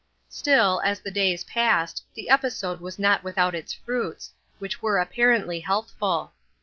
Still, as the days passed, the episode was not without its fruits, which were apparently healthful.